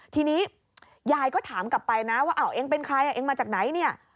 ทีนี้ยายก็ถามกลับไปว่าเองเป็นใครเองมาจากไหน